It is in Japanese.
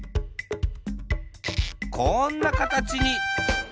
こんなかたちに。